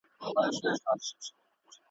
o مېږه چي پمنه سي، هر عيب ئې په کونه سي.